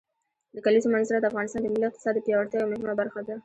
د کلیزو منظره د افغانستان د ملي اقتصاد د پیاوړتیا یوه مهمه برخه ده.